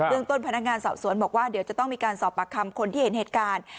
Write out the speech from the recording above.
เรื่องต้นพนักงานสอบสวนบอกว่าเดี๋ยวจะต้องมีการสอบปากคำคนที่เห็นเหตุการณ์